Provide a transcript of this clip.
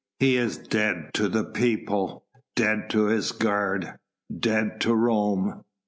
"He is dead to the people, dead to his guard, dead to Rome!"